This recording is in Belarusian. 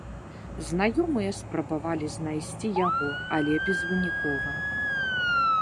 Знаёмыя спрабавалі знайсці яго, але безвынікова.